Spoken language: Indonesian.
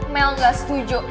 mel gak setuju